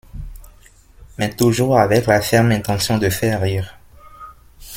Mais toujours avec la ferme intention de faire rire.